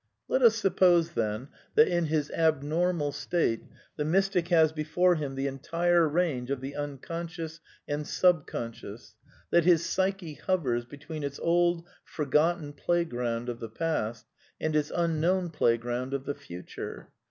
Let us suppose then that in his abnormal state the mys tic has before him the entire range of the ^^ Unconscious " and '^ Subconscious "; that his psyche hovers between its old forgotten playground of the past and its unknown play ground of the future.